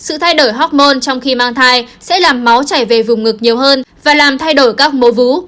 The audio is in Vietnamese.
sự thay đổi hoc mon trong khi mang thai sẽ làm máu chảy về vùng ngực nhiều hơn và làm thay đổi các mô vú